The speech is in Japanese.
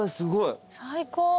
最高。